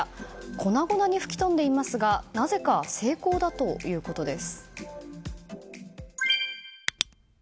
粉々に吹き飛んでいますがなぜか成功だということです。